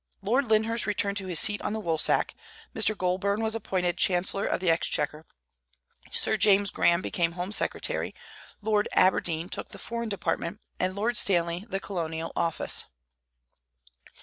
Lord Lyndhurst returned to his seat on the woolsack, Mr. Goulburn was appointed chancellor of the exchequer, Sir James Graham became home secretary, Lord Aberdeen took the foreign department, and Lord Stanley the colonial office.